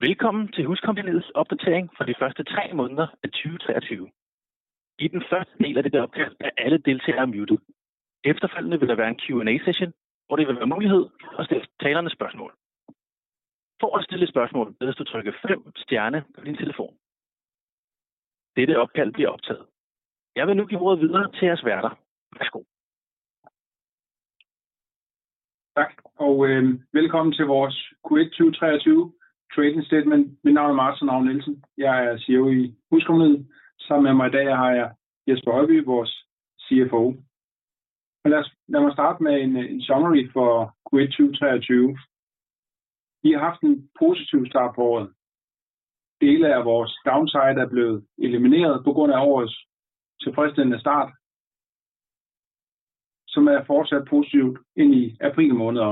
Velkommen til HusCompagniets opdatering for de 1st three months af 2023. I den 1st del af dette opkald er alle deltagere mutet. Efterfølgende vil der være en Q&A session, hvor det vil være mulighed for at stille talerne spørgsmål. For at stille et spørgsmål bedes du trykke five stjerne på din telefon. Dette opkald bliver optaget. Jeg vil nu give ordet videre til jeres værter. Værsgo. Tak og velkommen til vores Q1 2023 Trading Statement. Mit navn er Martin Ravn-Nielsen. Jeg er CEO i HusCompagniet. Sammen med mig i dag har jeg Jesper Høybye, vores CFO. Lad mig starte med en summary for Q1 2023. Vi har haft en positiv start på året. Dele af vores downside er blevet elimineret på grund af årets tilfredsstillende start, som er fortsat positivt ind i april måned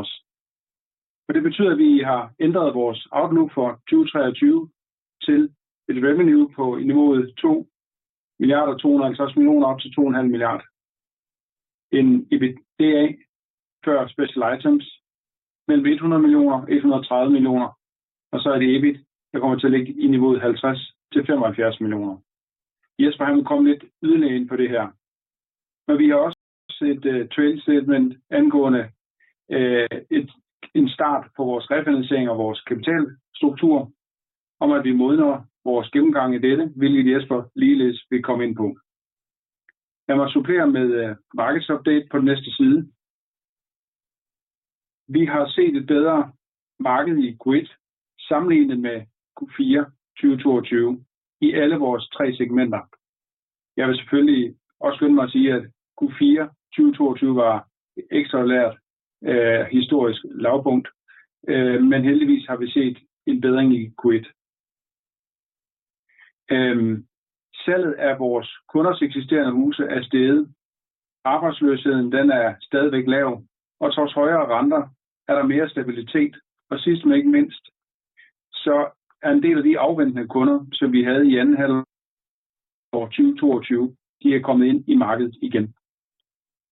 også. Det betyder, at vi har ændret vores outlook for 2023 til et revenue på niveauet 2.25 billion op til 2.5 billion. En EBITDA før special items mellem 100 million og DKK 130 million. Så er det EBIT, der kommer til at ligge i niveauet 50 million-75 million. Jesper han vil komme lidt yderligere ind på det her, men vi har også et Trading Statement angående en start på vores refinansiering af vores kapitalstruktur, om at vi modner vores gennemgang i dette, hvilket Jesper ligeledes vil komme ind på. Lad mig supplere med markets update på den næste side. Vi har set et bedre marked i Q1 sammenlignet med Q4 2022 i alle vores tre segmenter. Jeg vil selvfølgelig også skynde mig at sige, at Q4 2022 var et ekstraordinært historisk lavpunkt, men heldigvis har vi set en bedring i Q1. Salget af vores kunders eksisterende huse er steget. Arbejdsløsheden den er stadigvæk lav, og trods højere renter er der mere stabilitet. Sidst men ikke mindst, så er en del af de afventende kunder, som vi havde i anden halvår 2022, de er kommet ind i markedet igen.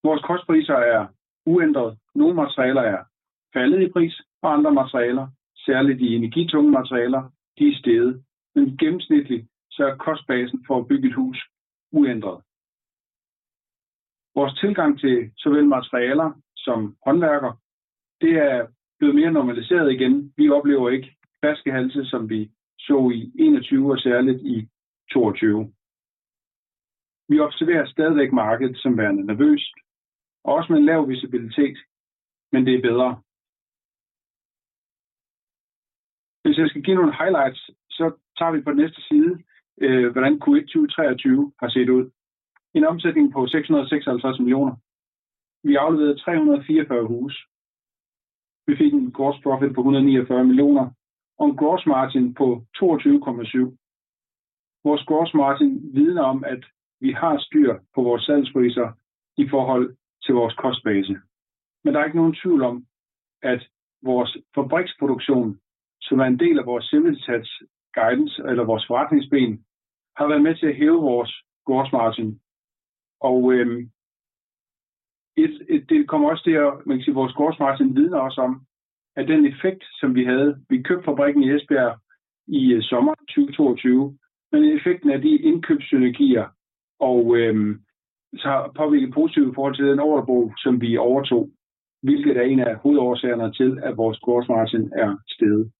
Vores kostpriser er uændret. Nogle materialer er faldet i pris, og andre materialer, særligt de energitunge materialer, de er steget. Gennemsnitligt så er kostbasen for at bygge et hus uændret. Vores tilgang til såvel materialer som håndværkere, det er blevet mere normaliseret igen. Vi oplever ikke flaskehalse, som vi så i 21 og særligt i 22. Vi observerer stadigvæk markedet som værende nervøst og også med en lav visibilitet, men det er bedre. Hvis jeg skal give nogle highlights, så tager vi på næste side, hvordan Q1 2023 har set ud. En omsætning på 656 million. Vi afleverede 344 huse. Vi fik en gross profit på 149 million og en gross margin på 22.7%. Vores gross margin vidner om, at vi har styr på vores salgspriser i forhold til vores kostbase. Der er ikke nogen tvivl om, at vores fabriksproduktion, som er en del af vores Semi-detached guidance eller vores forretningsben, har været med til at hæve vores gross margin. Det kommer også der, man kan sige, vores gross margin vidner også om, at den effekt, som vi havde, vi købte fabrikken i Esbjerg i sommeren 2022, men effekten af de indkøbs synergier har påvirket positivt i forhold til den orderbog, som vi overtog, hvilket er en af hovedårsagerne til, at vores gross margin er steget.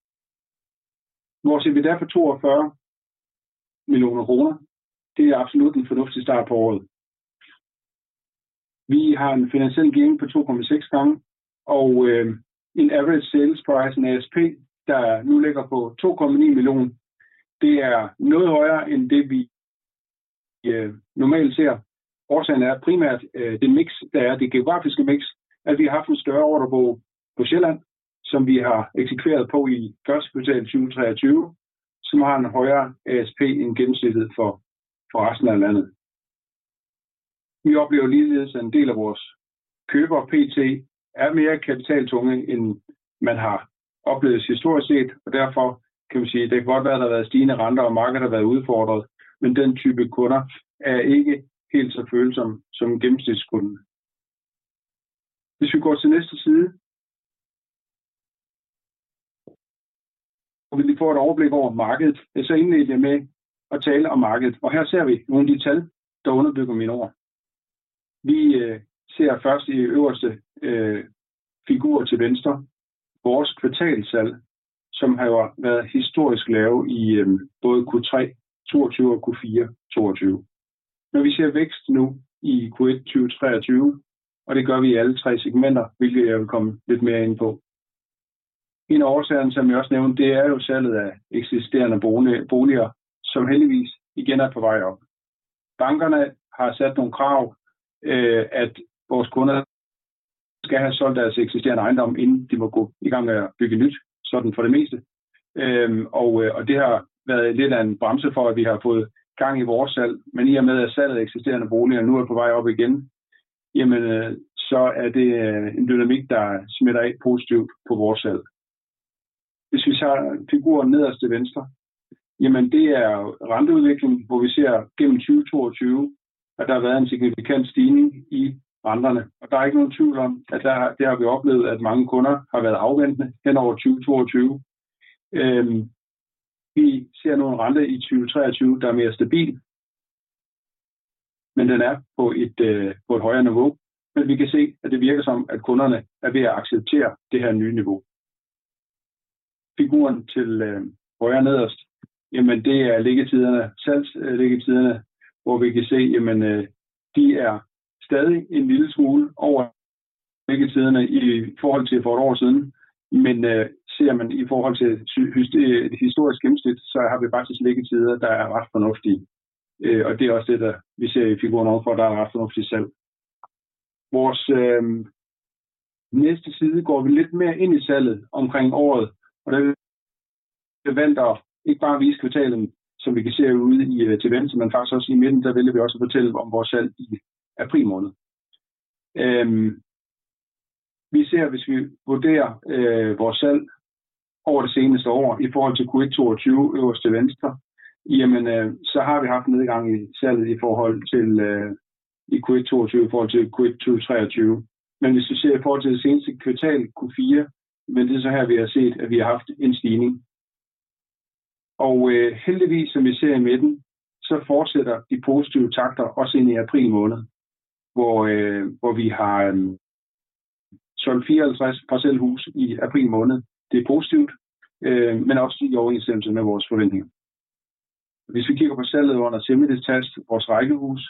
Vores EBITDA for 42 million kroner. Det er absolut en fornuftig start på året. Vi har en finansiel gearing på 2.6 times og en average sales price, en ASP, der nu ligger på 2.9 million. Det er noget højere end det, vi normalt ser. Årsagen er primært det mix, der er, det geografiske mix. Vi har haft en større orderbog på Sjælland, som vi har eksekveret på i Q1 2023, som har en højere ASP end gennemsnittet for resten af landet. Vi oplever ligeledes, at en del af vores købere pt. er mere kapitaltunge, end man har oplevet historisk set, og derfor kan man sige, det kan godt være, at der har været stigende renter, og markedet har været udfordret, men den type kunder er ikke helt så følsomme som en gennemsnitskunde. Vi går til næste side. Vi lige får et overblik over markedet. Indledte jeg med at tale om markedet, og her ser vi nogle af de tal, der underbygger mine ord. Vi ser først i øverste figur til venstre vores kvartalssalg, som jo har været historisk lave i både Q3 2022 og Q4 2022. Vi ser vækst nu i Q1 2023, og det gør vi i alle 3 segmenter, hvilket jeg vil komme lidt mere ind på. En af årsagerne, som jeg også nævnte, det er jo salget af eksisterende boliger, som heldigvis igen er på vej op. Bankerne har sat nogle krav, at vores kunder skal have solgt deres eksisterende ejendom, inden de må gå i gang med at bygge nyt. Sådan for det meste. Det har været lidt af en bremse for, at vi har fået gang i vores salg. I og med at salget af eksisterende boliger nu er på vej op igen, jamen så er det en dynamik, der smitter af positivt på vores salg. Hvis vi tager figuren nederst til venstre. Det er renteudviklingen, hvor vi ser gennem 2022, at der har været en signifikant stigning i renterne. Der er ikke nogen tvivl om, at der har vi oplevet, at mange kunder har været afventende hen over 2022. Vi ser nu en rente i 2023, der er mere stabil, men den er på et højere niveau. Vi kan se, at det virker, som om at kunderne er ved at acceptere det her nye niveau. Figuren til højre nederst, jamen det er liggetiderne, salgsliggetiderne, hvor vi kan se, jamen de er stadig en lille smule over liggetiderne i forhold til for et år siden. Ser man i forhold til historisk gennemsnit, så har vi faktisk liggetider, der er ret fornuftige. Det er også det, der vi ser i figuren ovenfor. Der er ret fornuftigt salg. Vores næste side går vi lidt mere ind i salget omkring året, og der har vi valgt ikke bare at vise kvartalen, som vi kan se ude til venstre, men faktisk også i midten. Der vælger vi også at fortælle om vores salg i april måned. Vi ser, hvis vi vurderer, vores salg over det seneste år i forhold til Q1 2022 øverst til venstre, jamen så har vi haft en nedgang i salget i forhold til i Q1 2022 i forhold til Q1 2023. Hvis vi ser i forhold til det seneste kvartal, Q4, men det er så her, vi har set, at vi har haft en stigning. Heldigvis, som vi ser i midten, så fortsætter de positive takter også ind i april måned, hvor vi har solgt 54 parcelhuse i april måned. Det er positivt, men også i overensstemmelse med vores forventninger. Hvis vi kigger på salget under Semi-detached, vores rækkehuse,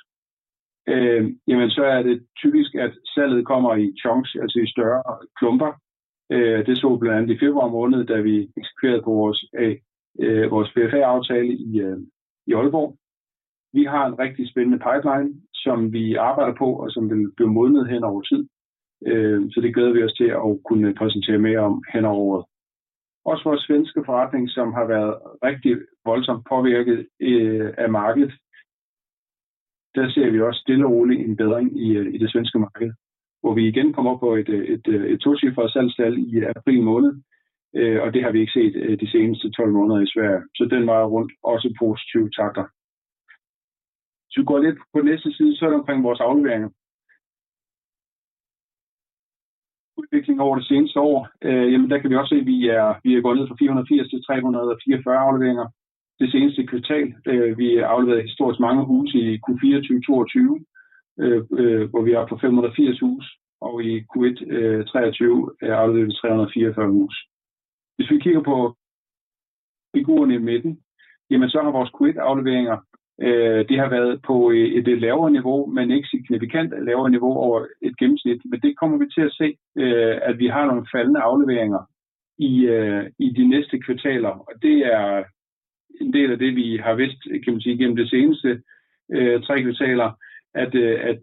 jamen så er det typisk, at salget kommer i chunks, altså i større klumper. Det så vi blandt andet i februar måned, da vi eksekverede på vores PFA aftale i Aalborg. Vi har en rigtig spændende pipeline, som vi arbejder på, og som vil blive modnet hen over tid. Det glæder vi os til at kunne præsentere mere om hen over året. Også vores svenske forretning, som har været rigtig voldsomt påvirket af markedet. Der ser vi også stille og roligt en bedring i det svenske marked, hvor vi igen kommer på et 2-digit salgstal i april måned, og det har vi ikke set de seneste 12 måneder i Sverige. Den vej rundt også positive takter. Hvis vi går lidt på næste side, så er det omkring vores afleveringer. Udvikling over det seneste år. Der kan vi også se, vi er gået ned fra 480 til 344 afleveringer det seneste kvartal. Vi afleverede historisk mange huse i Q4 2022, hvor vi var oppe på 580 huse og i Q1 2023 afleverede vi 344 huse. Hvis vi kigger på figurerne i midten, så har vores Q1 afleveringer, det har været på et lavere niveau, men ikke signifikant lavere niveau over et gennemsnit. Det kommer vi til at se, at vi har nogle faldende afleveringer i de næste kvartaler, og det er en del af det, vi har vidst, kan man sige, gennem de seneste tre kvartaler, at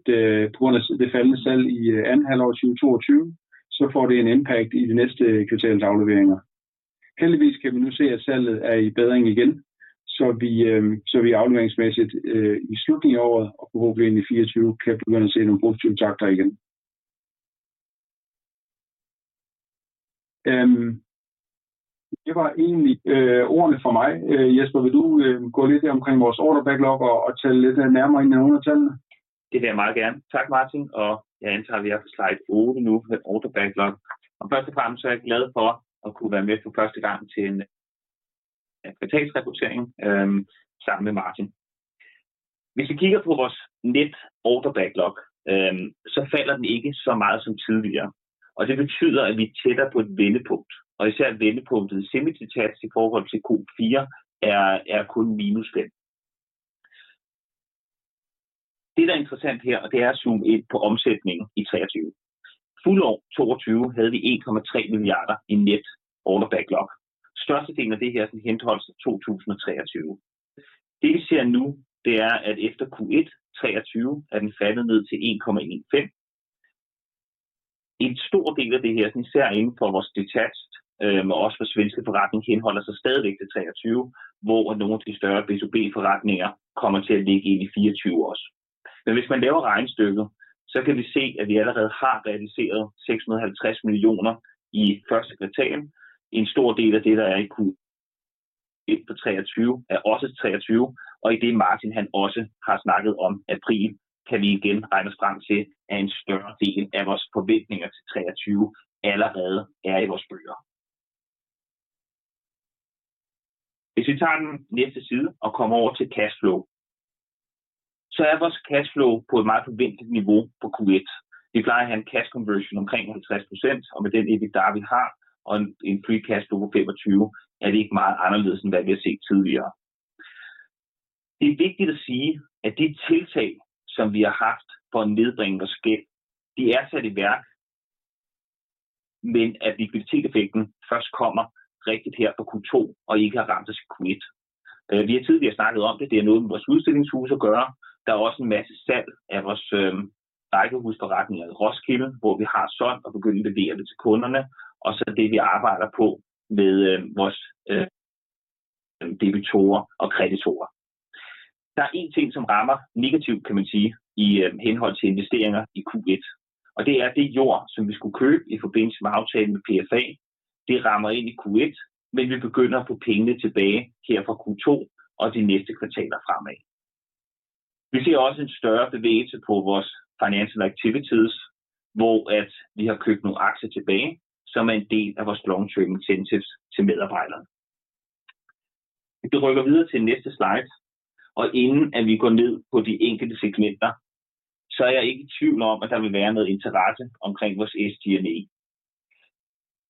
på grund af det faldende salg i andet halvår 2022, så får det en impact i de næste kvartalers afleveringer. Heldigvis kan vi nu se, at salget er i bedring igen, så vi afleveringsmæssigt i slutningen af året og forhåbentlig ind i 2024 kan begynde at se nogle positive takter igen. Det var egentlig ordene fra mig. Jesper, vil du gå lidt ind omkring vores order backlog og tale lidt nærmere ind ad nogle af tallene? Det vil jeg meget gerne. Tak Martin. Jeg antager, at vi er på slide 8 nu med net order backlog. Først og fremmest så er jeg glad for at kunne være med for første gang til en kvartalsrapportering sammen med Martin. Hvis vi kigger på vores net order backlog, så falder den ikke så meget som tidligere, og det betyder, at vi er tættere på et vendepunkt og især vendepunktet Semi-detached i forhold til Q4 er kun minus 5. Det, der er interessant her, det er at zoome ind på omsætningen i 2023. Fuld år 2022 havde vi 1.3 billion i net order backlog. Størstedelen af det her henholder sig 2023. Det, vi ser nu, det er, at efter Q1 2023 er den faldet ned til DKK 1.15 billion. En stor del af det her, især inden for vores Detached, men også vores svenske forretning, henholder sig stadigvæk til 2023, hvor nogle af de større B2B forretninger kommer til at ligge ind i 2024 også. Hvis man laver regnestykket, så kan we se, at vi allerede har realiseret 650 million i Q1. En stor del af det, der er i Q1 2023, er også 2023, og i det Martin han også har snakket om april, kan vi igen regne os frem til, at en større del af vores forventninger til 2023 allerede er i vores bøger. Hvis vi tager næste side og kommer over til cash flow, så er vores cash flow på et meget forventeligt niveau på Q1. Vi plejer at have en cash conversion omkring 50%, og med den EBITDA vi har og en free cash flow på 25%, er det ikke meget anderledes end hvad vi har set tidligere. Det er vigtigt at sige, at de tiltag, som vi har haft for at nedbringe vores gæld, de er sat i værk, men at likviditeteffekten først kommer rigtigt her på Q2 og ikke har ramt os i Q1. Vi har tidligere snakket om det. Det har noget med vores udstillingshuse at gøre. Der er også en masse salg af vores rækkehusforretning i Roskilde, hvor vi har solgt og begyndt at levere det til kunderne. Så det vi arbejder på med vores debitorer og kreditorer. Der er 1 ting, som rammer negativt, kan man sige i henhold til investeringer i Q1. Det er det jord, som vi skulle købe i forbindelse med aftalen med PFA. Det rammer ind i Q1, vi begynder at få pengene tilbage her fra Q2 og de næste kvartaler fremad. Vi ser også en større bevægelse på vores financial activities, hvor at vi har købt nogle aktier tilbage, som er en del af vores long-term incentives til medarbejderne. Hvis vi rykker videre til næste slide, inden at vi går ned på de enkelte segmenter, er jeg ikke i tvivl om, at der vil være noget interesse omkring vores SDNE.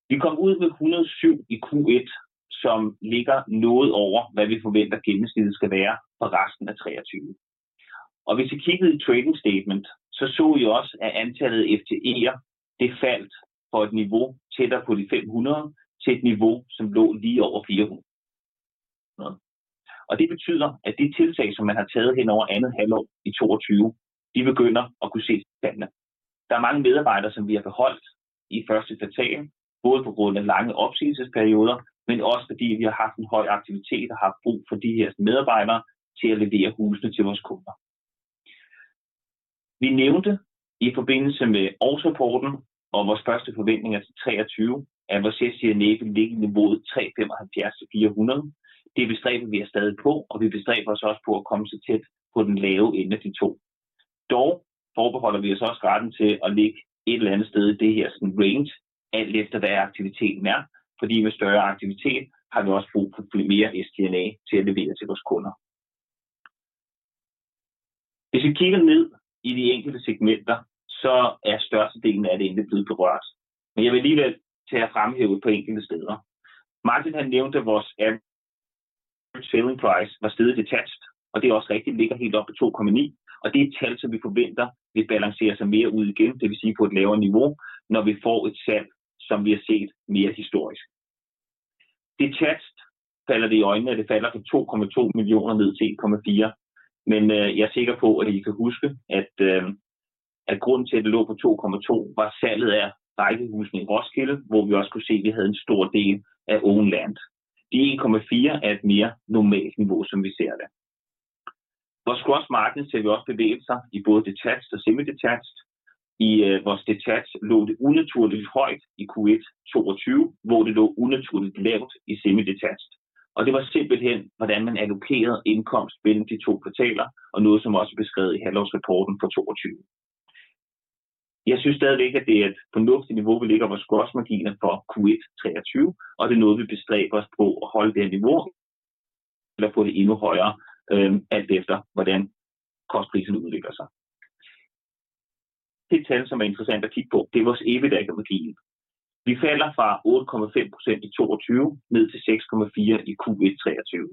Vi kom ud med 107 i Q1, som ligger noget over, hvad vi forventer gennemsnittet skal være for resten af 2023. Hvis I kiggede i Trading Statement, så så I også, at antallet af FTEs det faldt fra et niveau tættere på de 500 til et niveau, som lå lige over 400. Det betyder, at det tiltag, som man har taget hen over andet halvår i 2022, de begynder at kunne ses i tallene. Der er mange medarbejdere, som vi har beholdt i første kvartal, både på grund af lange opsigelsesperioder, men også fordi vi har haft en høj aktivitet og haft brug for de hersens medarbejdere til at levere husene til vores kunder. Vi nævnte i forbindelse med årsrapporten og vores første forventninger til 2023, at vores SG&A vil ligge niveau 375 million-400 million. Det bestræber vi os stadig på, og vi bestræber os også på at komme så tæt på den lave ende af de to. Vi forbeholder os også retten til at ligge et eller andet sted i det her sådan range, alt efter hvad aktiviteten er. Med større aktivitet har vi også brug for mere SG&A til at levere til vores kunder. Hvis vi kigger ned i de enkelte segmenter, så er størstedelen af det intet blevet berørt. Jeg vil alligevel tage jer frem herude på enkelte steder. Martin han nævnte, at vores average selling price var steget i Detached, og det er også rigtigt. Det ligger helt oppe i DKK 2.9 million, og det er et tal, som vi forventer vil balancere sig mere ud igen. Det vil sige på et lavere niveau, når vi får et salg, som vi har set mere historisk. Det er Detached falder det i øjnene, at det falder fra 2.2 million ned til 1.4 million. Jeg er sikker på, at I kan huske, at grunden til at det lå på 2.2 million var salget af rækkehusene i Roskilde, hvor vi også kunne se, at vi havde en stor del af own land. De 1.4 er et mere normalt niveau, som vi ser det. Vores gross margins ser vi også bevæge sig i både Detached og Semi-detached. I vores Detached lå det unaturligt højt i Q1 2022, hvor det lå unaturligt lavt i Semi-detached, og det var simpelthen, hvordan man allokerede indkomst mellem de to kvartaler og noget som også er beskrevet i halvårsrapporten for 2022. Jeg synes stadigvæk, at det er et fornuftigt niveau, vi ligger vores gross margins for Q1 2023, og det er noget, vi bestræber os på at holde det her niveau eller få det endnu højere, alt efter hvordan kostpriserne udvikler sig. Det tal, som er interessant at kigge på, det er vores EBITDA margin. Vi falder fra 8.5% i 2022 ned til 6.4% i Q1 2023.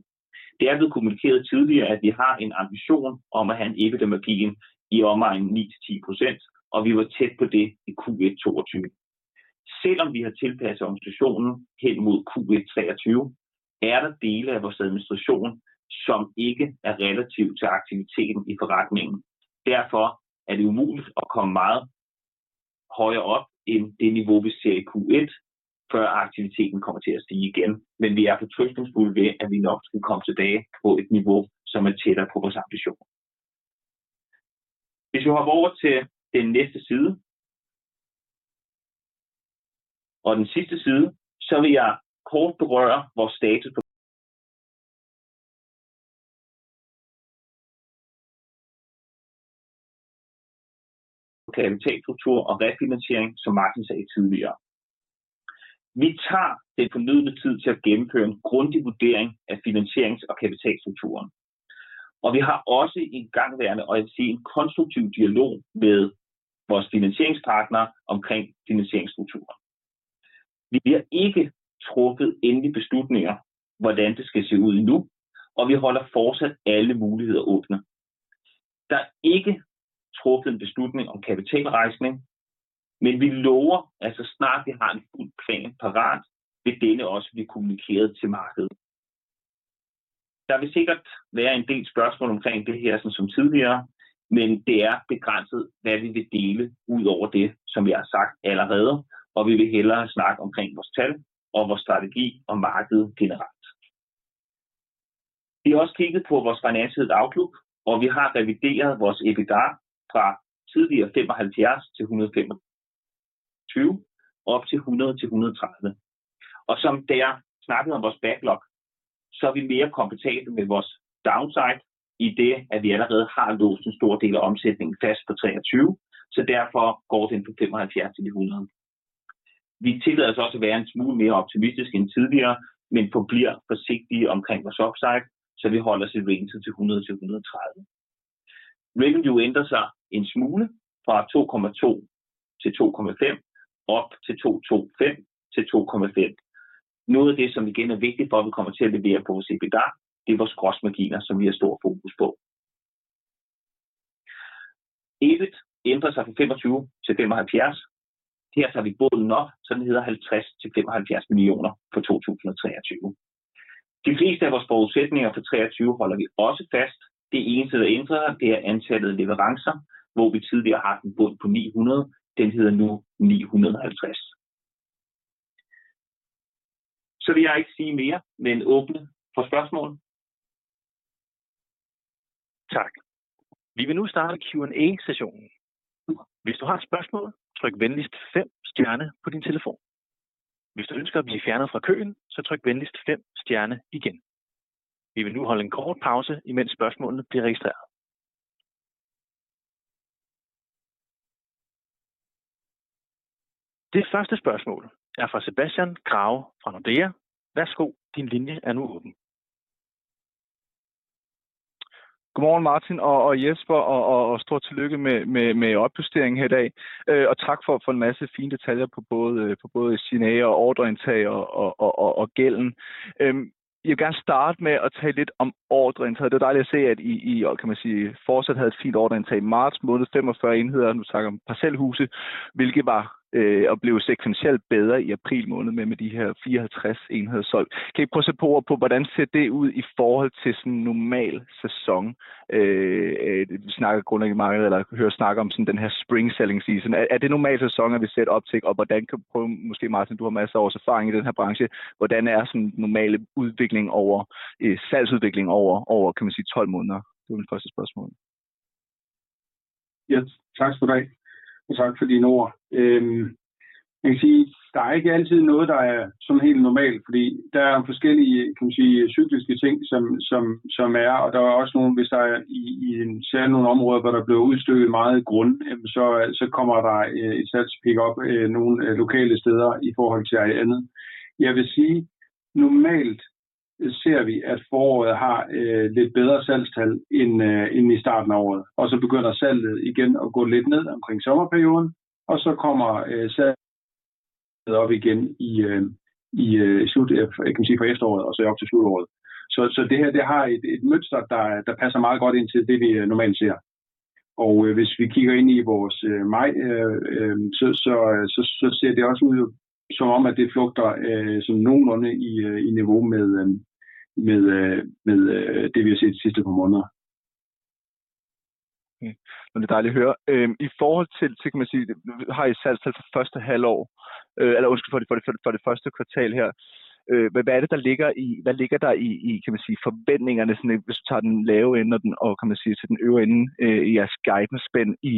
Det er blevet kommunikeret tidligere, at vi har en ambition om at have en EBITDA-margin i omegnen 9%-10%, og vi var tæt på det i Q1 2022. Selvom vi har tilpasset organisationen hen mod Q1 2023, er der dele af vores administration, som ikke er relativ til aktiviteten i forretningen. Det er umuligt at komme meget højere op end det niveau, vi ser i Q1, før aktiviteten kommer til at stige igen. Vi er fortrøstningsfulde ved, at vi nok skal komme tilbage på et niveau, som er tættere på vores ambition. Hvis vi hopper over til den næste side. Den sidste side, så vil jeg kort berøre vores status på kapitalstruktur og refinansiering, som Martin sagde tidligere. Vi tager den fornødne tid til at gennemføre en grundig vurdering af finansierings- og kapitalstrukturen. Vi har også igangværende og jeg vil sige en konstruktiv dialog med vores finansieringspartnere omkring finansieringsstrukturen. Vi har ikke truffet endelige beslutninger, hvordan det skal se ud endnu. Vi holder fortsat alle muligheder åbne. Der er ikke truffet en beslutning om kapitalrejsning. Vi lover, at så snart vi har en fuld plan parat, vil denne også blive kommunikeret til markedet. Der vil sikkert være en del spørgsmål omkring det her, sådan som tidligere. Det er begrænset, hvad vi vil dele ud over det, som vi har sagt allerede. Vi vil hellere snakke omkring vores tal og vores strategi og markedet generelt. Vi har også kigget på vores finansielle outlook. Vi har revideret vores EBITDA fra tidligere 75-125 op til 100-130. Som da jeg snakkede om vores backlog, er vi mere komfortable med vores downside, idet at vi allerede har låst en stor del af omsætningen fast på 2023, derfor går den fra 75 million til 100 million. Vi tillader os også at være en smule mere optimistiske end tidligere, men forbliver forsigtige omkring vores upside, så vi holder os i ranget til 100 million til 130 million. Revenue ændrer sig en smule fra 2.2 billion til 2.5 billion up to DKK 2.25 billion til 2.5 billion. Noget af det, som igen er vigtigt for, at vi kommer til at levere på vores EBITDA, det er vores gross margins, som vi har stor fokus på. EBIT ændrer sig fra 25 million til 75 million. Her tager vi bunden op, så den hedder 50 million til 75 million for 2023. De fleste af vores forudsætninger for 2023 holder vi også fast. Det eneste der er ændret, det er antallet af leverancer, hvor vi tidligere har haft en bund på 900. Den hedder nu 950. Vil jeg ikke sige mere, men åbne for spørgsmål. Tak. Vi vil nu starte Q&A sessionen. Hvis du har et spørgsmål, tryk venligst 5 star på din telefon. Hvis du ønsker at blive fjernet fra køen, tryk venligst 5 star igen. Vi vil nu holde en kort pause, imens spørgsmålene bliver registreret. Det første spørgsmål er fra Sebastian Krage fra Nordea. Værsgo, din linje er nu åben. Godmorgen Martin og Jesper og stort tillykke med opjusteringen her i dag. tak for en masse fine detaljer på både signere og order intake og gælden. Jeg vil gerne starte med at tale lidt om order intake. Det var dejligt at se, at I, kan man sige, fortsat havde et fint order intake i marts måned, 45 units, nu du snakker om Detached, hvilket var og blev sekventielt bedre i april måned med de her 54 units solgt. Kan I prøve at sætte ord på, hvordan ser det ud i forhold til sådan normal sæson? Vi snakker grundlæggende i markedet eller hører snak om sådan den her spring selling season. Er det normal sæson, er vi set op til, prøv måske Martin, du har masser års erfaring i den her branche. Hvordan er sådan normale udvikling over, salgsudvikling over, kan man sige, 12 måneder? Det var mit første spørgsmål. Ja, tak for det, og tak for dine ord. Man kan sige, der er ikke altid noget, der er sådan helt normalt, fordi der er forskellige, kan man sige, cykliske ting, som er, og der er også nogle, hvis der i særligt nogle områder, hvor der bliver udstykket meget grunde, jamen så kommer der et salgspickup nogle lokale steder i forhold til andet. Jeg vil sige, normalt ser vi, at foråret har lidt bedre salgstal end i starten af året. Begynder salget igen at gå lidt ned omkring sommerperioden, og så kommer salget op igen i slut, kan man sige fra efteråret og så op til slutåret. Det her, det har et mønster, der passer meget godt ind til det, vi normalt ser. Hvis vi kigger ind i vores maj, så ser det også ud som om, at det flugter, sådan nogenlunde i niveau med det vi har set de sidste par måneder. Okay, det var dejligt at høre. I forhold til, kan man sige, I har et salgstal for første halvår, eller undskyld for det, for det første kvartal her. Hvad er det, der ligger i, hvad ligger der i, kan man sige forventningerne, sådan hvis du tager den lave ende, og den, og kan man sige til den øvre ende i jeres guidancespænd i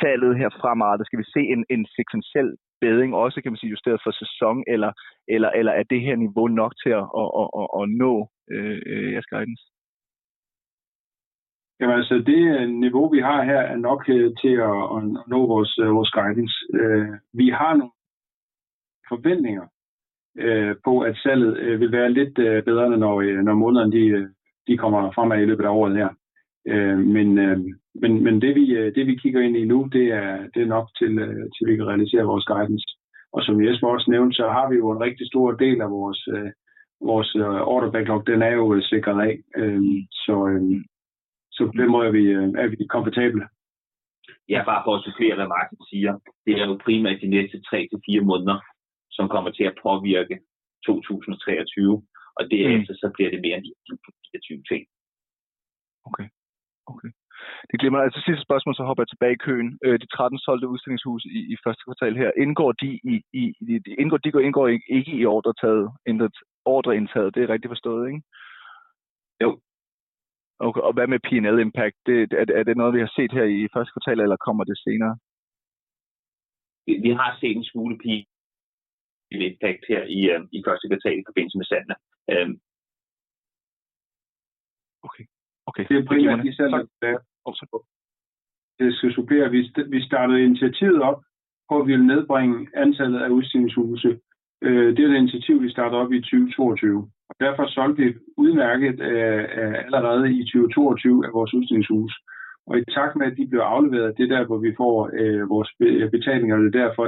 salget her fremadrettet. Skal vi se en sekventiel bedding også, kan man sige justeret for sæson, eller er det her niveau nok til at nå jeres guidance? Jamen altså, det niveau vi har her, er nok til at nå vores guidance. Vi har nogle forventninger på at salget vil være lidt bedre, når månederne de kommer fremad i løbet af året her. Det vi kigger ind i nu, det er nok til at vi kan realisere vores guidance. Som Jesper også nævnte, så har vi jo en rigtig stor del af vores order backlog, den er jo sikret af. På den måde er vi komfortable. Bare for at supplere, hvad Martin siger. Det er jo primært de næste 3-4 måneder, som kommer til at påvirke 2023, og derefter så bliver det mere 2024. Okay, okay. Det glemmer, altså sidste spørgsmål, så hopper jeg tilbage i køen. De 13 solgte udstillingshuse i første kvartal her, indgår ikke i ordreindtaget. Det er rigtigt forstået, ikke? Jo. Okay, og hvad med P&L impact? Det, er det noget, vi har set her i første kvartal, eller kommer det senere? Vi har set en smule P&L impact her i første kvartal i forbindelse med salgene. Okay, okay. Det er primært i salget der. Jeg skal supplere. Vi startede initiativet op, hvor vi ville nedbringe antallet af udstillingshuse. Det er et initiativ, vi startede op i 2022, og derfor solgte vi udmærket, allerede i 2022 af vores udstillingshuse. I takt med at de bliver afleveret, det er der, hvor vi får vores betalinger, og det er derfor,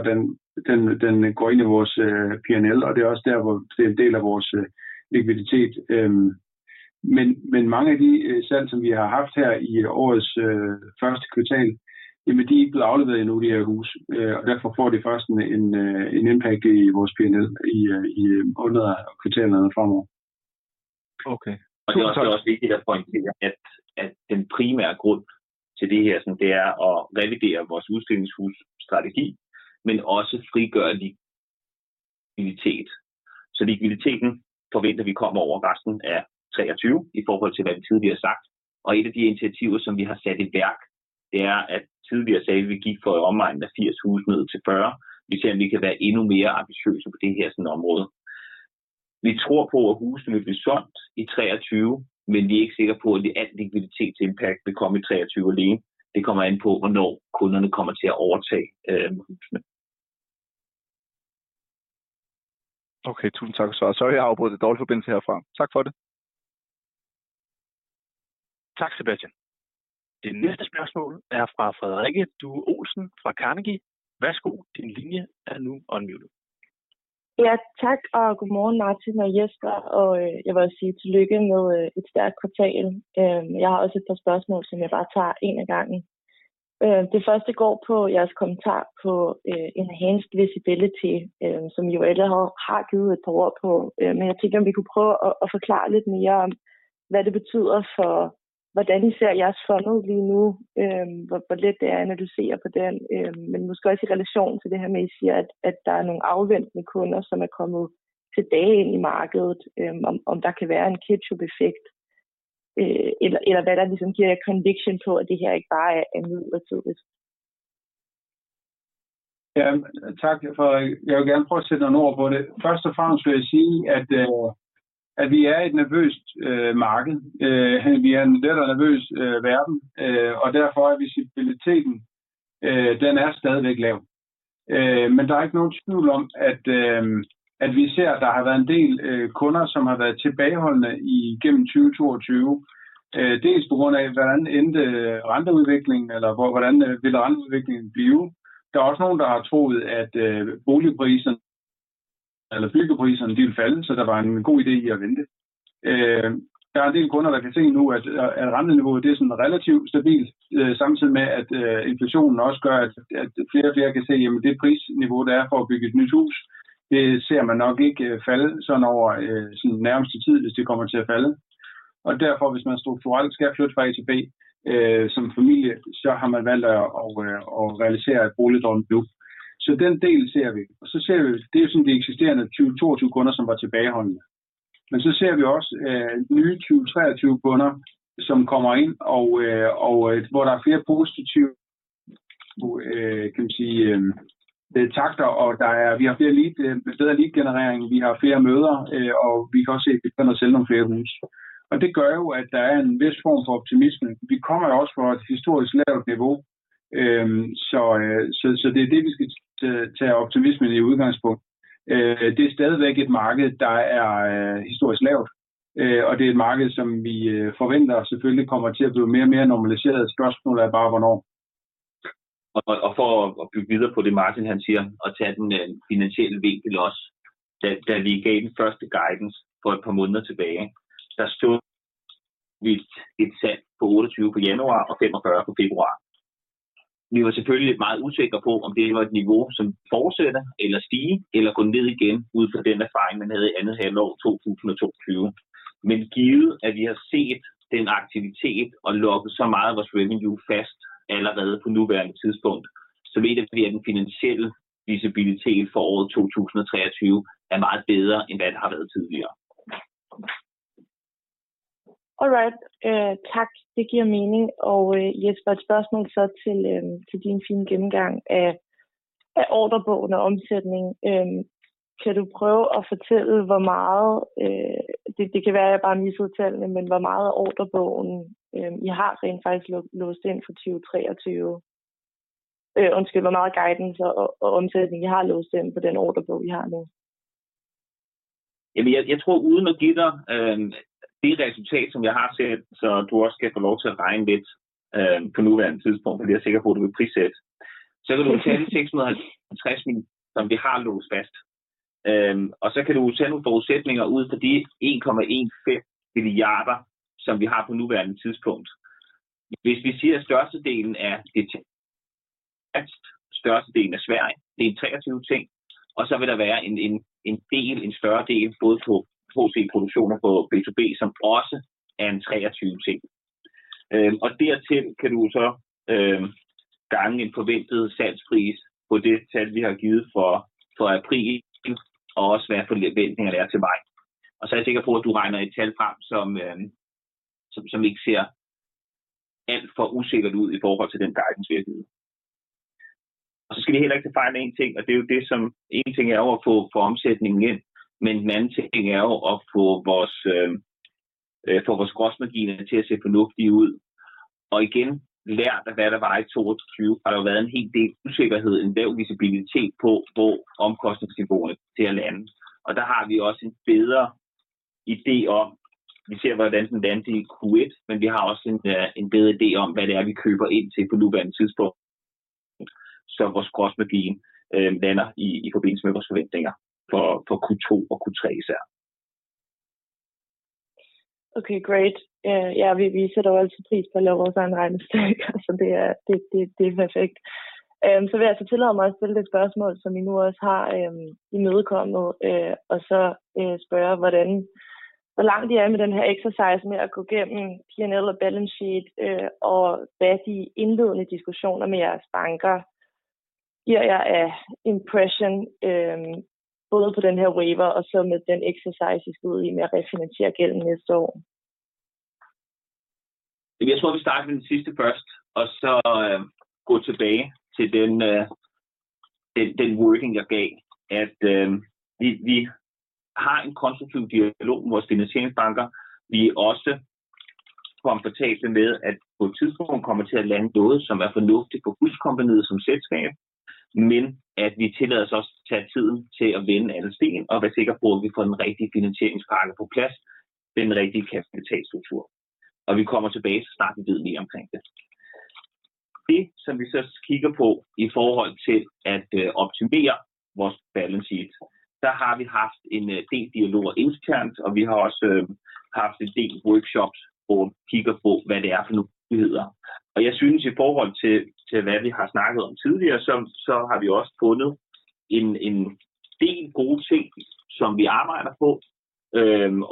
den går ind i vores P&L, og det er også der, hvor det er en del af vores likviditet. Mange af de salg, som vi har haft her i årets første kvartal, jamen de er ikke blevet afleveret endnu de her huse, og derfor får de først en impact i vores P&L i månederne og kvartalerne fremover. Okay. Det er også vigtigt at pointere, at den primære grund til det her, det er at revidere vores udstillingshusstrategi, men også frigøre likviditet. Likviditeten forventer vi kommer over resten af 2023 i forhold til, hvad vi tidligere har sagt. Et af de initiativer, som vi har sat i værk, det er, at tidligere sagde vi gik fra i omegnen af 80 huse ned til 40. Vi ser, om vi kan være endnu mere ambitiøse på det her sådan område. Vi tror på, at husene vil blive solgt i 2023, men vi er ikke sikre på, at al likviditetsimpact vil komme i 2023 alene. Det kommer an på, hvornår kunderne kommer til at overtage husene. Okay, tusind tak for svaret. Sorry, jeg afbrød. Det er dårlig forbindelse herfra. Tak for det. Tak, Sebastian. Det næste spørgsmål er fra Frederikke Due Olsen fra Carnegie. Værsgo, din linje er nu unmuted. Ja, tak og godmorgen Martin og Jesper, jeg vil også sige tillykke med et stærkt kvartal. Jeg har også et par spørgsmål, som jeg bare tager en ad gangen. Det første går på jeres kommentar på enhanced visibility, som I jo allerede har givet et par ord på. Jeg tænkte, om I kunne prøve at forklare lidt mere om, hvad det betyder for Hvordan I ser jeres funnel lige nu, hvor let det er at analysere på den. Måske også i relation til det her med, at I siger, at der er nogle afventende kunder, som er kommet tilbage ind i markedet. Om der kan være en ketchup effekt, eller hvad der ligesom giver jer conviction på, at det her ikke bare er andet midlertidisk. Tak for det. Jeg vil gerne prøve at sætte nogle ord på det. Først og fremmest vil jeg sige, at vi er i et nervøst marked. Vi er en lettere nervøs verden. Derfor er visibiliteten, den er stadigvæk lav. Der er ikke nogen tvivl om, at vi især der har været en del kunder, som har været tilbageholdende igennem 2022. Dels på grund af hvordan endte renteudviklingen, eller hvordan vil renteudviklingen blive. Der er også nogle, der har troet, at boligpriserne eller byggepriserne de ville falde, så der var en god idé i at vente. Der er en del kunder, der kan se nu, at renteniveauet det er sådan relativt stabilt, samtidig med at inflationen også gør, at flere og flere kan se, jamen det prisniveau, der er for at bygge et nyt hus, det ser man nok ikke falde sådan over, sådan nærmeste tid, hvis det kommer til at falde. Derfor hvis man strukturelt skal flytte fra A til B, som familie, så har man valgt at realisere boliglånet nu. Den del ser vi, og så ser vi, det er sådan de eksisterende 22 kunder, som var tilbageholdende. Ser vi også, nye 2023 kunder, som kommer ind og hvor der er flere positive, kan man sige, takter, vi har flere lead, bedre leadgenerering, vi har flere møder, og vi kan også se, at vi kommer til at sælge nogle flere huse. Det gør jo, at der er en vis form for optimisme. Vi kommer jo også fra et historisk lavt niveau. Det er det, vi skal tage optimismen i udgangspunkt. Det er stadigvæk et marked, der er historisk lavt, og det er et marked, som vi forventer selvfølgelig kommer til at blive mere og mere normaliseret. Spørgsmålet er bare hvornår. For at bygge videre på det Martin han siger og tage den finansielle vinkel også. Da vi gav den first guidance for a couple of months tilbage, der så vi et salg på 28 på januar og 45 på februar. Vi var selvfølgelig meget usikre på, om det her var et niveau, som fortsætter eller stige eller gå ned igen ud fra den erfaring, man havde i second half 2022. Givet at vi har set den aktivitet og locked så meget af vores revenue fast allerede på nuværende tidspunkt, så mener vi, at den finansielle visibilitet for year 2023 er meget bedre, end hvad det har været tidligere. All right. Tak. Det giver mening. Jesper, et spørgsmål så til din fine gennemgang af order backlog og revenue. Kan du prøve at fortælle, hvor meget? Det kan være, at jeg bare misser tallene, men hvor meget af order backlog, I har rent faktisk låst ind for 2023? Undskyld, hvor meget guidance og revenue I har låst ind på den order backlog, I har nu? Jamen jeg tror uden at give dig, det resultat, som jeg har set, så du også kan få lov til at regne lidt, på nuværende tidspunkt, fordi jeg er sikker på, at du vil prissætte. Kan du tage de 650 million, som vi har låst fast. Kan du jo tage nogle forudsætninger ud fra de 1.15 billion, som vi har på nuværende tidspunkt. Hvis vi siger, at størstedelen er et, størstedelen er Sverige, det er en 2023 ting, og så vil der være en del, en større del både på B2C produktioner på B2B, som også er en 2023 ting. Dertil kan du jo så gange en forventet salgspris på det tal, vi har givet for april, og også hvad forventningerne er til maj. Jeg er sikker på, at du regner et tal frem, som ikke ser alt for usikkert ud i forhold til den guidance, vi har givet. Vi skal heller ikke tage fejl af en ting, og det er jo det, som ene ting er jo at få omsætningen ind. Men den anden ting er jo at få vores gross margins til at se fornuftige ud. Igen, lært af, hvad der var i 2022, har der jo været en hel del usikkerhed, en lav visibility på, hvor omkostningsniveauet til at lande. Der har vi også en bedre idé om, vi ser, hvordan den landede i Q1, men vi har også en bedre idé om, hvad det er, vi køber ind til på nuværende tidspunkt. Vores gross margin lander i forbindelse med vores forventninger for Q2 og Q3 især. Okay, great. Ja vi sætter jo altid pris på at lave vores egen regnestok, så det er perfekt. Vil jeg altså tillade mig at stille det spørgsmål, som I nu også har imødekommet, og så spørge, hvor langt I er med den her exercise med at gå gennem P&L and balance sheet, og hvad de indledende diskussioner med jeres banker giver jer af impression, både på den her waiver og så med den exercise I skal ud i med at refinansiere gælden næste år. Jeg tror, vi starter med den sidste først og så gå tilbage til den wording jeg gav. At vi har en konstruktiv dialog med vores finansieringsbanker. Vi er også komfortable med, at på et tidspunkt kommer til at lande noget, som er fornuftigt for HusCompagniet som selskab, men at vi tillader os også at tage tiden til at vende alle sten og være sikker på, at vi får den rigtige finansieringspakke på plads. Den rigtige kapitalstruktur. Vi kommer tilbage, så snart vi ved mere omkring det. Det, som vi så kigger på i forhold til at optimere vores balance sheet. Der har vi haft en del dialoger internt, og vi har også haft en del workshops, hvor vi kigger på, hvad det er for nogle muligheder. Jeg synes i forhold til, hvad vi har snakket om tidligere, så har vi også fundet en del gode ting, som vi arbejder på,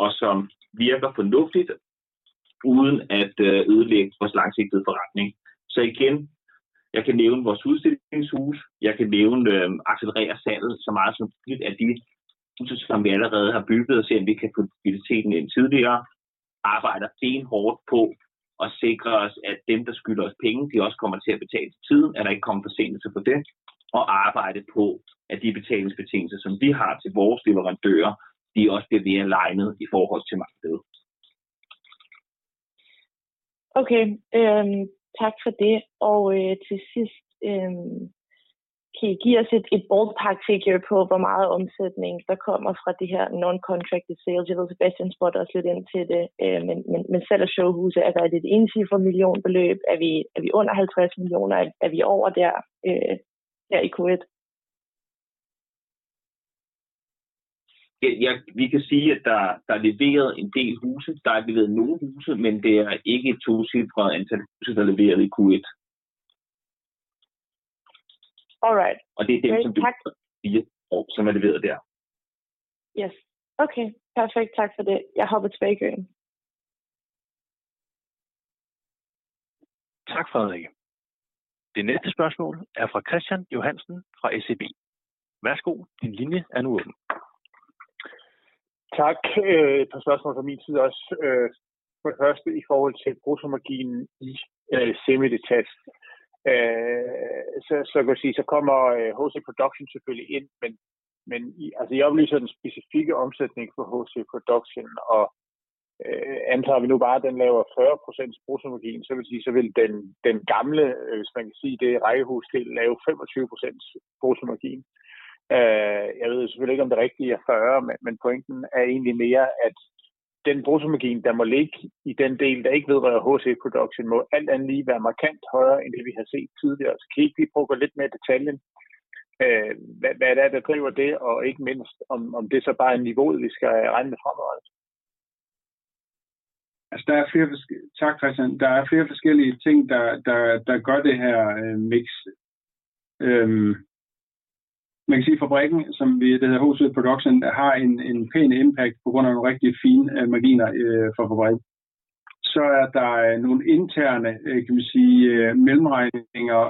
og som virker fornuftigt uden at ødelægge vores langsigtede forretning. Igen, jeg kan nævne vores udstillingshus. Jeg kan nævne at accelerere salget så meget som muligt af de huse, som vi allerede har bygget og se, om vi kan få stabiliteten ind tidligere. Arbejder benhårdt på at sikre os, at dem, der skylder os penge, de også kommer til at betale til tiden. At der ikke kommer forsinkelse på det og arbejde på, at de betalingsbetingelser, som vi har til vores leverandører, de også bliver alignet i forhold til markedet. Okay, tak for det. Til sidst, kan I give os et ballpark figure på, hvor meget omsætning der kommer fra det her non-contracted sales? Jeg ved, Sebastian spurgte også lidt ind til det, men salg af showhuse, er der et etciffer millionbeløb? Er vi under 50 million? Er vi over der i Q1? Vi kan sige, at der er leveret en del huse. Der er leveret nogle huse. Det er ikke et tocifret antal huse, der er leveret i Q1. All right. det er dem, som. Tak. Som er leveret der. Yes. Okay, perfekt. Tak for det. Jeg hopper tilbage i køen. Tak, Frederikke. Det næste spørgsmål er fra Kristian Johansen fra SEB. Værsgo. Din linje er nu åben. Tak. Et par spørgsmål fra min side også. For det første i forhold til bruttomarginen i Semi-detached. Kan man sige, så kommer HC Production selvfølgelig ind. I, altså I oplyser den specifikke omsætning for HC Production, og antager vi nu bare, at den laver 40% bruttomargin, så vil det sige, så vil den gamle, hvis man kan sige det, rækkehusdel lave 25% bruttomargin. Jeg ved selvfølgelig ikke, om det rigtige er 40, men pointen er egentlig mere, at den bruttomargin, der må ligge i den del, der ikke vedrører HC Production, må alt andet lige være markant højere end det, vi har set tidligere. Kan I ikke lige brygge os lidt mere i detaljen? hvad er det, der driver det, og ikke mindst om det så bare er niveauet, vi skal regne med fremover? Altså der er flere tak, Kristian. Der er flere forskellige ting, der gør det her mix. Man kan sige, fabrikken, som vi, der hedder HC Production, har en pæn impact på grund af nogle rigtig fine margins for fabrikken. Der er nogle interne, kan man sige, mellemregninger,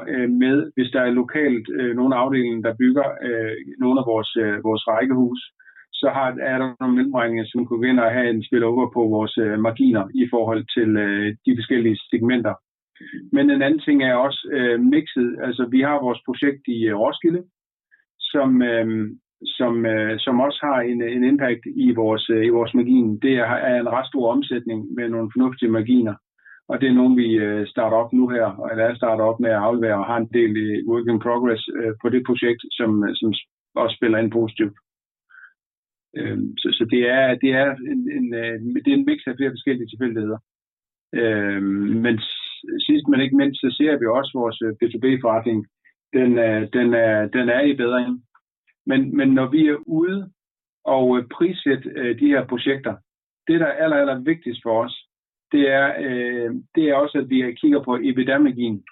med, hvis der er lokalt, nogle afdelinger, der bygger, nogle af vores rækkehuse, er der nogle mellemregninger, som kunne gå ind og have en spillover på vores margins i forhold til de forskellige segmenter. En anden ting er også mixet. Altså vi har vores projekt i Roskilde, som også har en impact i vores margin. Det er en ret stor omsætning med nogle fornuftige marginer. Det er nogen, vi, starter op nu her, eller er startet op med at aflevere og har en del i work in progress, på det projekt, som også spiller ind positivt. Det er et mix af flere forskellige tilfældigheder. Sidst, men ikke mindst, så ser vi også vores B2B-forretning. Den er i bedring. Når vi er ude og prissætte de her projekter, det, der er allervigtigst for os, det er, det er også, at vi kigger på EBITDA margin,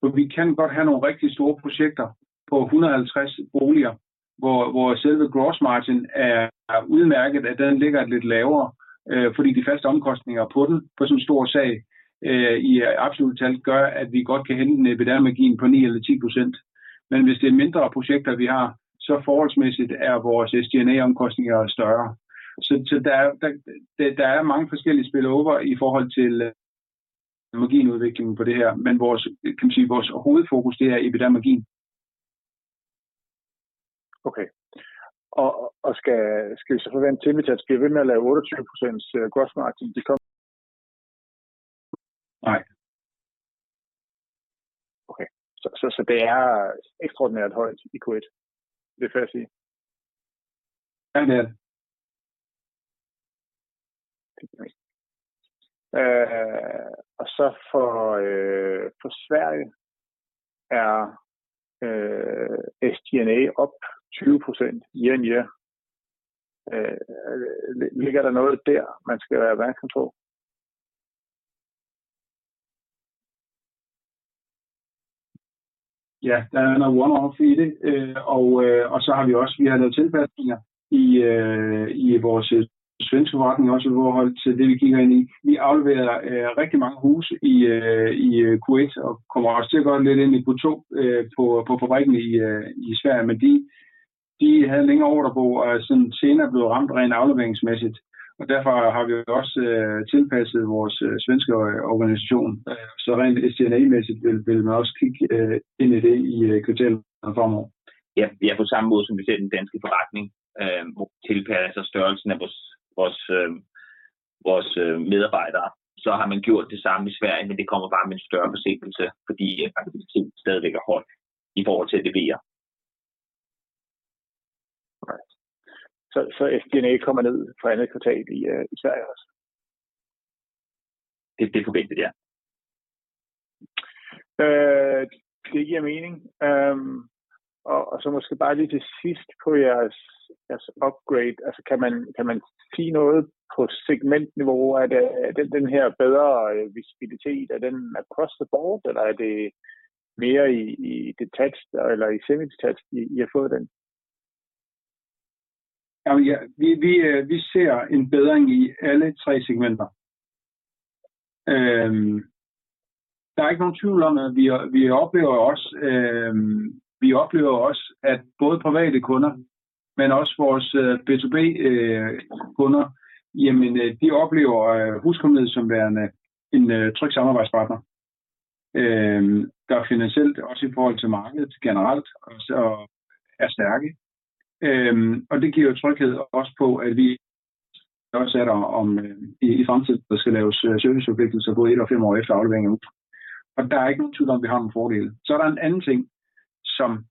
for vi kan godt have nogle rigtig store projekter på 150 boliger, hvor selve gross margin er udmærket, at den ligger lidt lavere, fordi de faste omkostninger på den, på sådan en stor sag, i absolutte tal gør, at vi godt kan hente en EBITDA margin på 9% eller 10%. Hvis det er mindre projekter, vi har, så forholdsmæssigt er vores SG&A omkostninger større. Der er mange forskellige spillover i forhold til marginudviklingen på det her, men vores, kan man sige, vores hovedfokus, det er EBITDA margin. Okay. Skal I så forventeligt blive ved med at lave 28% gross margin? Nej. Okay. Det er ekstraordinært højt i Q1. Det er fair at sige. Ja, det er det. For Sverige er SG&A op 20% year-over-year. Ligger der noget der, man skal være vagt om for? Ja, der er noget one-off i det. Så har vi også, vi har lavet tilpasninger i vores svenskforretning også i forhold til det, vi kigger ind i. Vi afleverede rigtig mange huse i Q1 og kommer også til at gøre det lidt ind i Q2 på fabrikken i Sverige, men de havde længere ordrebog og er sådan senere blevet ramt rent afleveringsmæssigt, og derfor har vi også tilpasset vores svenske organisation. Rent SG&A-mæssigt vil man også kigge ind i det i kvartalet her fremover. Ja, ja, på samme måde som vi ser den danske forretning, tilpasser størrelsen af vores medarbejdere. har man gjort det samme i Sverige, men det kommer bare med en større forsinkelse, fordi aktiviteten stadigvæk er høj i forhold til at levere. All right. SG&A kommer ned for andet kvartal i Sverige også. Det forventer vi, ja. Det giver mening. Så måske bare lige til sidst på jeres upgrade. Kan man sige noget på segmentniveau? Er det den her bedre visibility, er den kostet bort, eller er det mere i Detached eller i Semi-detached I har fået den? Vi ser en bedring i alle 3 segmenter. Der er ikke nogen tvivl om, at vi oplever også, vi oplever også, at både private kunder, men også vores B2B kunder, jamen de oplever HusCompagniet som værende en tryg samarbejdspartner, der finansielt også i forhold til markedet generelt og er stærke. Det giver jo tryghed også på, at vi også er der, om i fremtiden der skal laves serviceforpligtelser både 1 og 5 år efter aflevering af hus. Der er ikke nogen tvivl om, at vi har nogle fordele. Der er en anden ting, som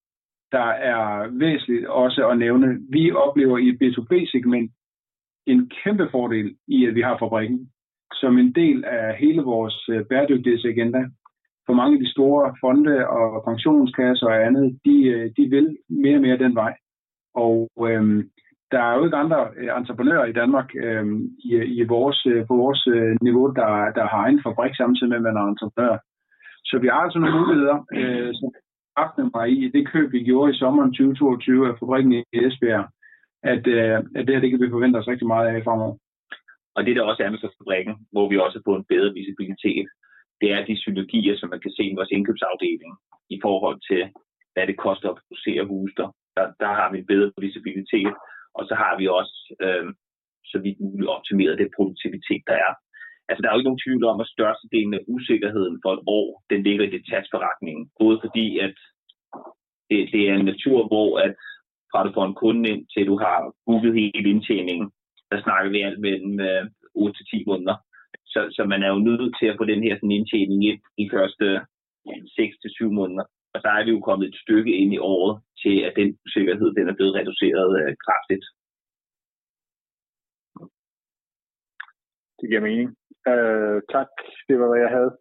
der er væsentligt også at nævne. Vi oplever i B2B segment en kæmpe fordel i, at vi har fabrikken som en del af hele vores bæredygtighedsagenda. For mange af de store fonde og pensionskasser og andet de vil mere og mere den vej. Der er jo ikke andre entreprenører i Denmark i vores, på vores niveau, der har egen fabrik, samtidig med at man er entreprenør. Vi har altså nogle muligheder, som kraften var i det køb, vi gjorde i sommeren 2022 af fabrikken i Esbjerg, at det her, det kan vi forvente os rigtig meget af fremover. Det der også er med sådan en fabrikken, hvor vi også har fået en bedre visibilitet, det er de synergier, som man kan se i vores indkøbsafdeling i forhold til, hvad det koster at producere huse der. Der har vi bedre visibilitet, så har vi også så vidt muligt optimeret den produktivitet, der er. Altså der er jo ikke nogen tvivl om, at størstedelen af usikkerheden for et år, den ligger i Detached forretningen. Både fordi at det er en natur, hvor at fra du får en kunde ind, til du har booket hele indtjeningen. Der snakker vi alt mellem 8 til 10 måneder. Man er jo nødt til at få den her indtjening ind de første 6 til 7 måneder, så er vi jo kommet et stykke ind i året til, at den usikkerhed den er blevet reduceret kraftigt. Det giver mening. Tak. Det var, hvad jeg havde.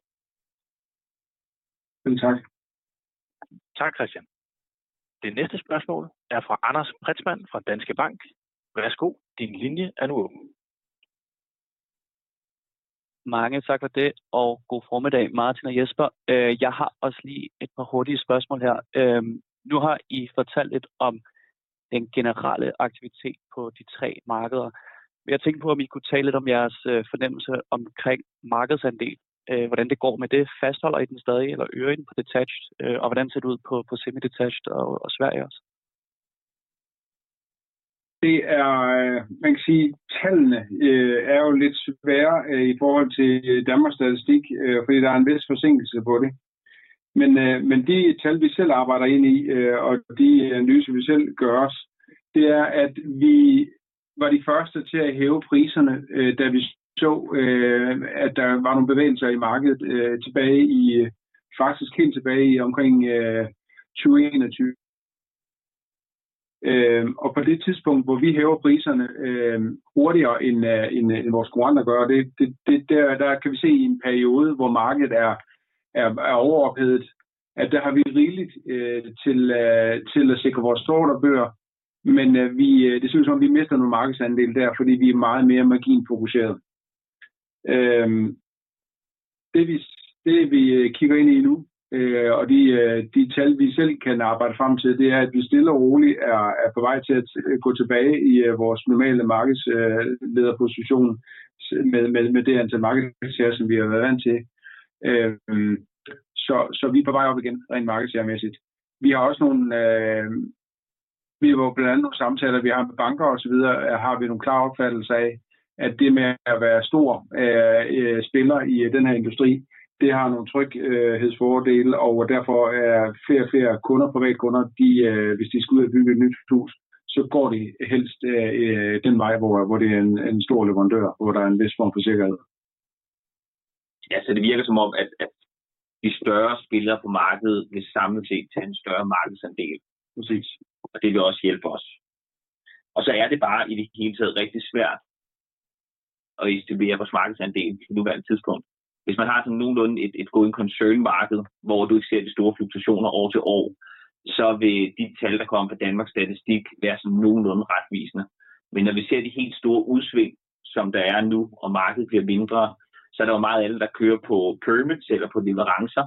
Selv tak. Tak Christian. Det næste spørgsmål er fra Anders Ritzman fra Danske Bank. Værsgo, din linje er nu åben. Mange tak for det og god formiddag Martin og Jesper. Jeg har også lige et par hurtige spørgsmål her. Nu har I fortalt lidt om den generelle aktivitet på de tre markeder, men jeg tænkte på, om I kunne tale lidt om jeres fornemmelse omkring markedsandel. Hvordan det går med det? Fastholder I den stadig eller øger I den på Detached, og hvordan ser det ud på Semi-detached og Sverige også? Det er, man kan sige tallene, er jo lidt svære i forhold til Danmarks Statistik, fordi der er en vis forsinkelse på det. De tal vi selv arbejder ind i, og de analyser vi selv gør os, det er, at vi var de første til at hæve priserne, da vi så, at der var nogle bevægelser i markedet tilbage i, faktisk helt tilbage i omkring 2021. På det tidspunkt, hvor vi hæver priserne, hurtigere end vores konkurrenter gør, der kan vi se i en periode, hvor markedet er overophedet, at der har vi rigeligt til at sikre vores orderbøger. Det ser ud som om vi mister nogle markedsandele der, fordi vi er meget mere marginfokuseret. Det vi kigger ind i nu, de tal vi selv kan arbejde frem til, det er, at vi stille og roligt er på vej til at gå tilbage i vores normale markedslederposition med det antal markedsandel, som vi har været vant til. Vi er på vej op igen rent markedsandelmæssigt. Vi har jo blandt andet nogle samtaler, vi har med banker og så videre, har vi nogle klare opfattelser af, at det med at være stor spiller i den her industri, det har nogle tryghedsfordele, og derfor er flere og flere kunder, privatkunder, de, hvis de skal ud og bygge et nyt hus, så går de helst den vej, hvor det er en stor leverandør, hvor der er en vis form for sikkerhed. Ja, det virker som om at de større spillere på markedet vil samlet set tage en større markedsandel. Præcis. Det vil også hjælpe os. Det er bare i det hele taget rigtig svært at estimere vores markedsandel på nuværende tidspunkt. Hvis man har sådan nogenlunde et godt concern marked, hvor du ikke ser de store fluktuationer år til år, så vil de tal, der kommer fra Danmarks Statistik, være sådan nogenlunde retvisende. Når vi ser de helt store udsving, som der er nu, og markedet bliver mindre, så er der jo meget af det, der kører på permits eller på leverancer.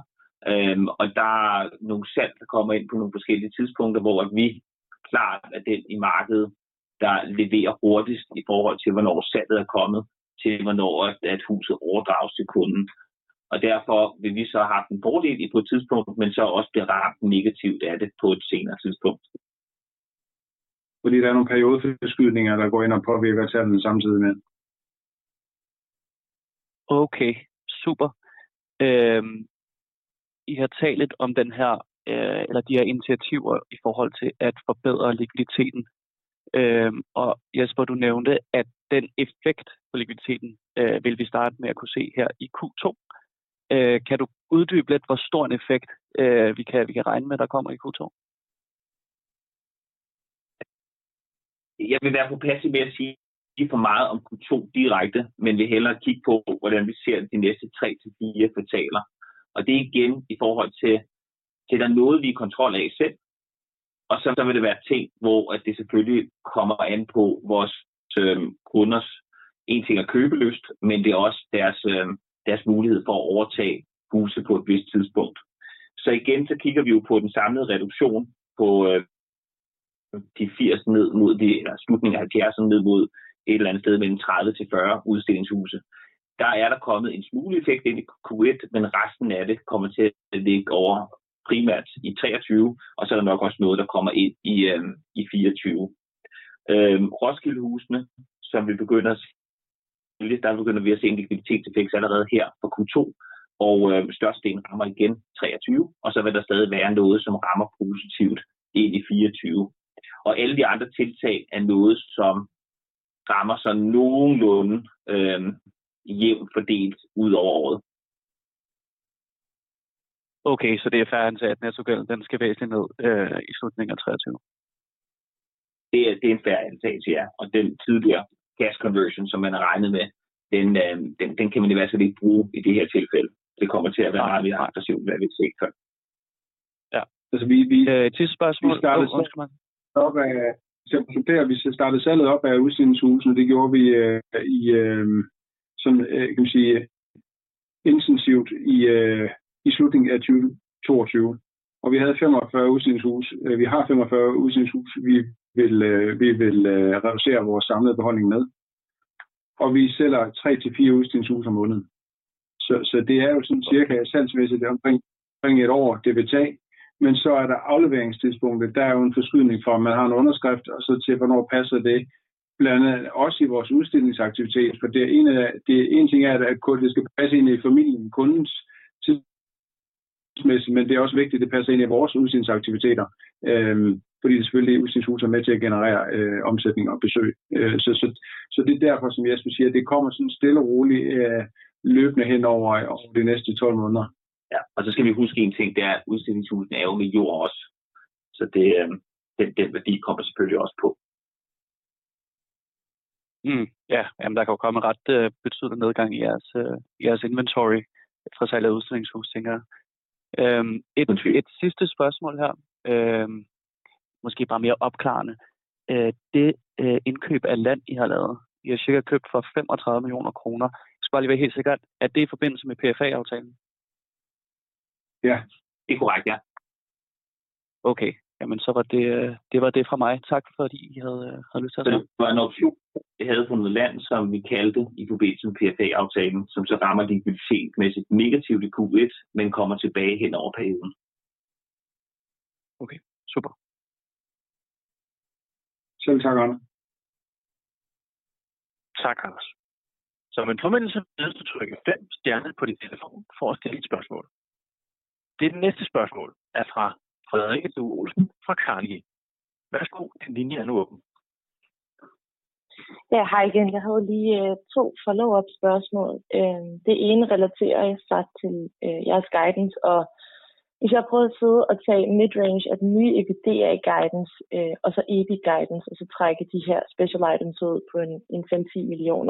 Der er nogle salg, der kommer ind på nogle forskellige tidspunkter, hvor at vi klart er den i markedet, der leverer hurtigst i forhold til hvornår salget er kommet til hvornår at huset overdrages til kunden. Derfor vil vi så have en fordel på et tidspunkt, men så også blive ramt negativt af det på et senere tidspunkt. Der er nogle periodeforskydninger, der går ind og påvirker tallene samtidig med. Okay, super. I har talt lidt om den her, eller de her initiativer i forhold til at forbedre likviditeten. Jesper, du nævnte, at den effekt på likviditeten vil vi starte med at kunne se her i Q2. Kan du uddybe lidt, hvor stor en effekt, vi kan regne med, der kommer i Q2? Jeg vil være på passet med at sige for meget om Q2 direkte, men vil hellere kigge på, hvordan vi ser de næste 3 til 4 kvartaler. Det er igen i forhold til. Det er der noget, vi er i kontrol af selv, og så vil det være ting, hvor at det selvfølgelig kommer an på vores kunders en ting er købelyst, men det er også deres mulighed for at overtage huse på et vist tidspunkt. Igen, så kigger vi jo på den samlede reduktion på de 80 ned mod det eller slutningen af 70 ned mod et eller andet sted mellem 30 til 40 udstillingshuse. Der er der kommet en smule effekt ind i Q1, men resten af det kommer til at ligge ovre primært i 2023, og så er der nok også noget, der kommer ind i 2024. Roskildehusene, der begynder vi at se en likviditetseffekt allerede her fra Q2. Størstedelen rammer igen 23, og så vil der stadig være noget, som rammer positivt ind i 24. Alle de andre tiltag er noget, som rammer så nogenlunde jævnt fordelt ud over året. Det er fair antaget, at naturalgassen den skal væsentligt ned i slutningen af 2023. Det er en fair antagelse, ja. Den tidligere gas conversion, som man har regnet med, den kan man i hvert fald ikke bruge i det her tilfælde. Det kommer til at være meget mere aggressivt, end hvad vi har set før. Ja. Vi Et sidste spørgsmål. Vi startede salget op af udstillingshusene. Det gjorde vi i, sådan kan man sige intensivt i slutningen af 2022. Vi havde 45 udstillingshuse. Vi har 45 udstillingshuse, vi vil reducere vores samlede beholdning med. Vi sælger 3-4 udstillingshuse om måneden. Det er jo sådan cirka salgsmæssigt omkring 1 year, det vil tage. Der er afleveringstidspunktet. Der er jo en forskydning fra, at man har en underskrift og så til hvornår passer det blandt andet også i vores udstillingsaktivitet, for det er en ting er, at det skal passe ind i familien, kundens tidsmæssigt, men det er også vigtigt, at det passer ind i vores udstillingsaktiviteter, fordi selvfølgelig udstillingshuse er med til at generere omsætning og besøg. Det er derfor, som Jesper siger, det kommer sådan stille og roligt løbende hen over de næste 12 måneder. skal vi huske en ting, det er, at udstillingshusene er med jord også. Den værdi kommer selvfølgelig også på. Ja, jamen der kan jo komme en ret betydelig nedgang i jeres, i jeres inventory efter salget af udstillingshus, tænker jeg. Et sidste spørgsmål her. Måske bare mere opklarende. Det indkøb af land I har lavet. I har cirka købt for 35 millioner kroner. Jeg skal bare lige være helt sikker. Er det i forbindelse med PFA-aftalen? Ja, det er korrekt, ja. Okay, jamen så var det var det fra mig. Tak fordi I havde lidt tid. Det var en option, vi havde på noget land, som vi kaldte i Q2 som PFA-aftalen, som så rammer likviditetmæssigt negativt i Q1, men kommer tilbage hen over perioden. Okay, super. Selv tak, Anders. Tak, Anders. Med en henvendelse bedes du trykke 5 stjerne på din telefon for at stille et spørgsmål. Det næste spørgsmål er fra Frederikke Due Olsen fra Carnegie. Værsgo. Din linje er nu åben. Hej igen. Jeg havde lige 2 follow-up spørgsmål. Det ene relaterer sig til jeres guidance, og hvis jeg prøver at sidde og tage mid-range af den nye EBITDA guidance og så EBIT guidance og så trække de her special items ud på en 5-10 million,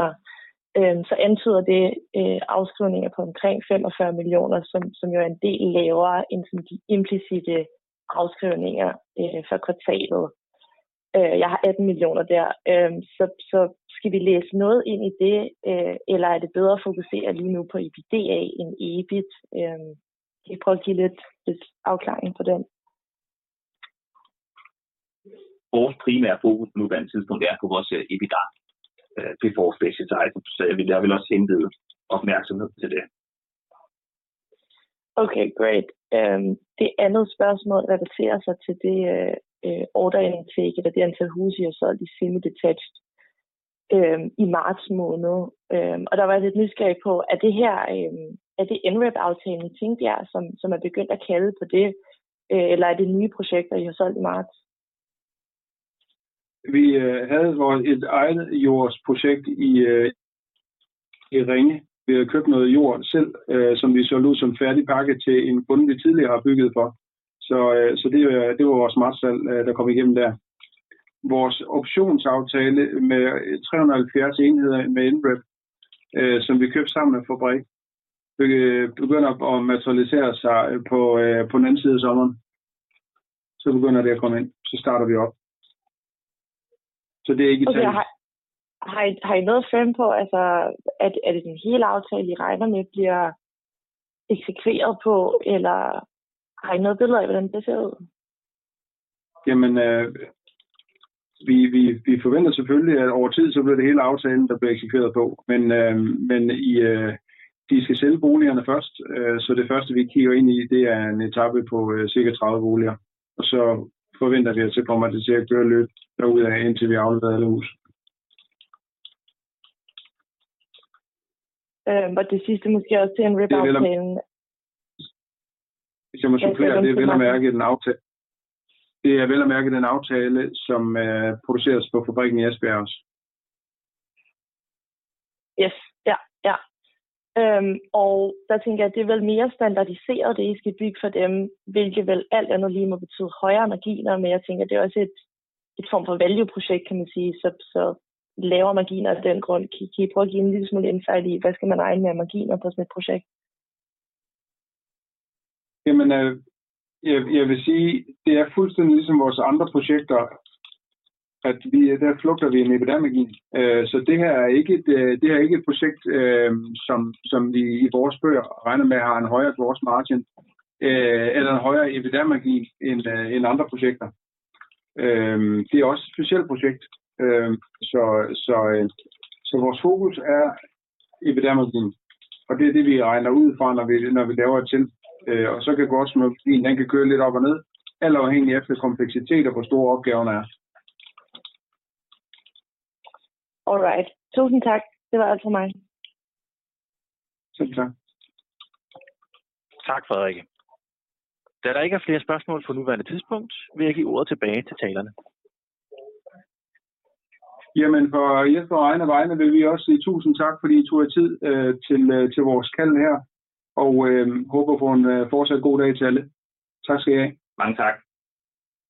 så antyder det afskrivninger på omkring 45 million, som jo er en del lavere end sådan de implicitte afskrivninger for kvartalet. Jeg har 18 million der. Skal vi læse noget ind i det, eller er det bedre at fokusere lige nu på EBITDA end EBIT? Kan I prøve at give lidt afklaring på den? Vores primære fokus på nuværende tidspunkt er på vores EBITDA Before Special Items, så jeg vil også henlede opmærksomheden til det. Okay, great. Det andet spørgsmål relaterer sig til det order intake eller det antal huse, I har solgt i Semi-detached i marts måned. Der var jeg lidt nysgerrig på, er det her, er det NREP-aftalen i Tingbjerg, som er begyndt at kalde på det, eller er det nye projekter, I har solgt i marts? Vi havde vores eget jordprojekt i Ringe. Vi havde købt noget jord selv, som vi solgte ud som færdig pakke til en kunde, vi tidligere har bygget for. det var vores martssalg, der kom igennem der. Vores optionsaftale med 370 enheder med NREP, som vi købte sammen med Danhaus, begynder at materialisere sig på den anden side af sommeren. begynder det at komme ind. starter vi op. det er ikke. Okay, har I noget fremme på, altså er det den hele aftale, I regner med bliver eksekveret på, eller har I noget billede af, hvordan det ser ud? Vi forventer selvfølgelig, at over tid så bliver det hele aftalen, der bliver eksekveret på. I de skal sælge boligerne først. Det første, vi kigger ind i, det er en etape på cirka 30 boliger, og så forventer vi, at så kommer det til at køre løb derudaf, indtil vi har afleveret alle huse. Det sidste måske også til NREP-aftalen. Jeg må supplere. Det er vel at mærke den aftale, som produceres på fabrikken i Esbjerg også. Yes. Ja. Ja. Der tænkte jeg, det er vel mere standardiseret, det I skal bygge for dem, hvilket vel alt andet lige må betyde højere margins. Jeg tænker, det er også et form for value project, kan man sige. Lavere margins af den grund. Kan I prøve at give en lille smule insight i, hvad skal man regne med af margins på sådan et project? Jeg vil sige, det er fuldstændig ligesom vores andre projekter, at vi, der flugter vi en EBITDA margin. Det her er ikke et projekt, som vi i vores bøger regner med har en højere gross margin eller en højere EBITDA margin end andre projekter. Det er også et specialprojekt. Vores fokus er EBITDA margin, og det er det, vi regner ud fra, når vi laver et tilbud. Vores margin kan køre lidt op og ned alt afhængig efter kompleksitet, og hvor store opgaverne er. All right. Tusind tak. Det var alt fra mig. Selv tak. Tak, Frederikke. Da der ikke er flere spørgsmål for nuværende tidspunkt, vil jeg give ordet tilbage til talerne. For Jespers og egne vegne vil vi også sige tusind tak, fordi I tog jer tid til vores call her og håber på en fortsat god dag til alle. Tak skal I have. Mange tak.